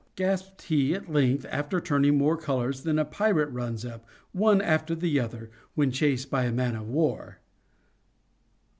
gasped he at length, after turning more colors than a pirate runs up, one after the other, when chased by a man of war.